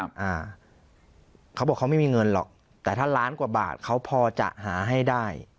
อ่าเขาบอกเขาไม่มีเงินหรอกแต่ถ้าล้านกว่าบาทเขาพอจะหาให้ได้